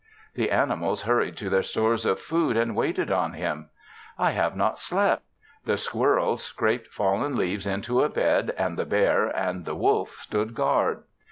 The animals hurried to their stores of food and waited on him. "I have not slept." The squirrels scraped fallen leaves into a bed, and the bear and the wolf stood guard.